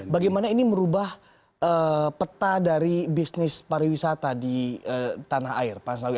bagaimana ini merubah peta dari bisnis pariwisata di tanah air pak asnawi